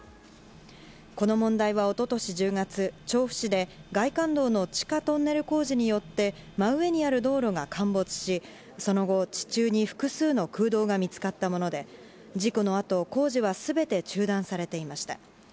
この問題は一昨年１０月調布市で外環道の地下トンネル工事によって真上にある道路が陥没しその後、地中に複数の空洞が見つかったもので事故のあと工事は全て中断されていました。